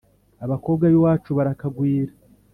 Abakobwa b’iwacu barakagwira